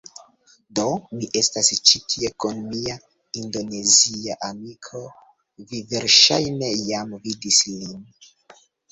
Do, mi estas ĉi tie kun mia Indonezia amiko vi verŝajne jam vidis lin